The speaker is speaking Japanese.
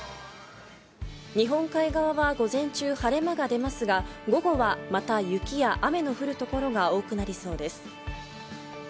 日本海側は午前中晴れ間が出ますが、午後はまた雪や雨の降る所が多くなりそうです。